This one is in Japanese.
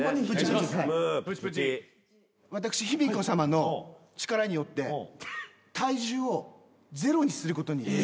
私卑弥呼さまの力によって体重をゼロにすることに。